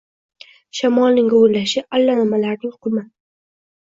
Shamolning guvillashi, allanimalarning qumi.